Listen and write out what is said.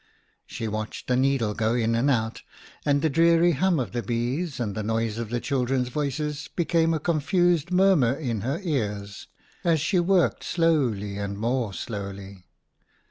She watched the needle go in and out ; and the dreary hum of the bees and the noise of the children's voices became a confused murmur in her ears, as she worked slowly and more slowly.